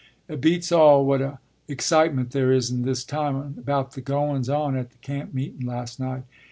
“It beats all what a excitement there is in this town about the goun's on at the camp meetun', last night.